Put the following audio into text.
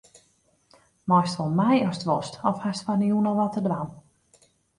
Meist wol mei ast wolst of hast fan 'e jûn al wat te dwaan?